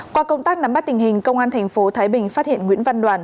qua công tác nắm bắt tình hình công an thành phố thái bình phát hiện nguyễn văn đoàn